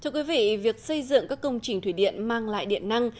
thưa quý vị việc xây dựng các công trình thủy điện mang lại điện năng